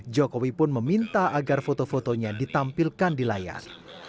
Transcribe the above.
jokowi pun meminta agar foto fotonya ditampilkan di layar